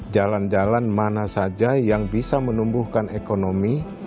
jalan jalan mana saja yang bisa menumbuhkan ekonomi